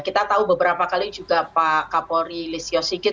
kita tahu beberapa kali juga pak kapolri lisyosi